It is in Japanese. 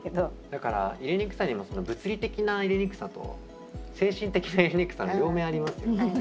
だから入れにくさにも物理的な入れにくさと精神的な入れにくさと両面ありますよね。